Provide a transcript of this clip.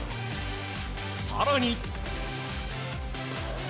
更に。